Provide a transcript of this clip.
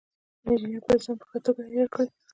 انجینر باید ځان په ښه توګه عیار کړي.